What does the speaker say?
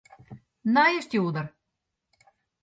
Nije stjoerder.